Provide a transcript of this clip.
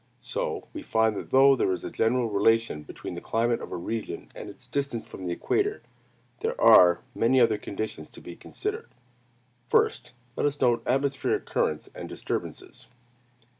So we find that though there is a general relation between the climate of a region and its distance from the equator, there are many other conditions to be considered. First, let us note atmospheric currents and disturbances.